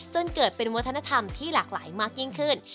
จนเกิดเป็นวัฒนธรรมที่หลากหลายมากยิ่งขึ้น